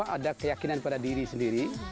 ada keyakinan pada diri sendiri